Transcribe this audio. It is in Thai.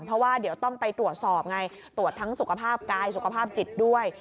เพราะว่าเดี๋ยวต้องไปตรวจสอบไงตรวจทั้งสุขภาพกายสุขภาพจิตด้วย